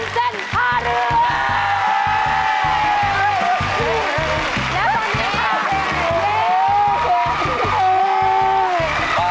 จังหวัดตายค่ะ